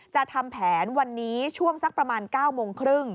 จะทำแผนวันนี้ช่วงสักประมาณ๙โมงครึ่ง